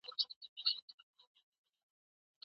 اسلام د نورو د مقدساتو احترام واجب ګڼي.